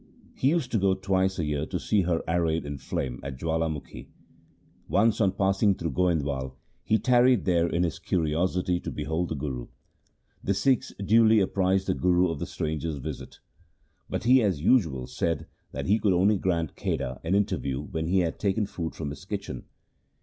He used to go twice a year to see her arrayed in flame at Jawalamukhi. Once on passing through Goindwal he tarried there in his curiosity to behold the Guru. The Sikhs duly apprised the Guru of the stranger's visit ; but he as usual said that he could only grant Kheda an inter view when he had taken food from his kitchen.